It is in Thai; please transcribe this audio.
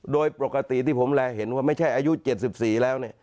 โดยปกติที่ผมแลเห็นว่าไม่ใช่อายุ๗๔แล้ว